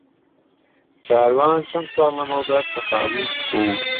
کاروان چەند ساڵ لەمەوبەر تەقاویت بوو.